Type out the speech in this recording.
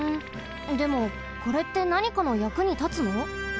でもこれってなにかのやくにたつの？